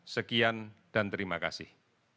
sekian dan terima kasih